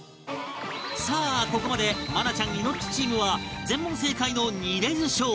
さあここまで愛菜ちゃんイノッチチームは全問正解の２連勝